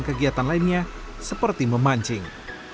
kegiatan lainnya seperti memancing